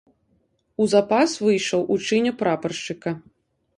У запас выйшаў у чыне прапаршчыка.